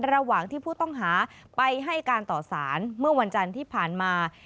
ระหว่างที่ผู้ต้องหาไปให้การต่อสารเมื่อวันจันทร์ที่ผ่านมา